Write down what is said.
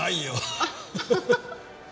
アハハハ。